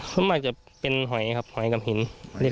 ขึ้นมาจะเป็นหอยครับหอยกับหินเล็ก